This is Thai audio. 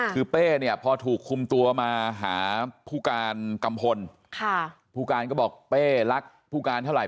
คือเป้เนี่ยพอถูกคุมตัวมาหาผู้การกัมพลผู้การก็บอกเป้รักผู้การเท่าไห